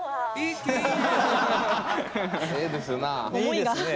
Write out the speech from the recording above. いいですね。